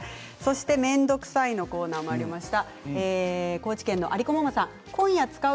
「めんどくさい」のコーナーもありました。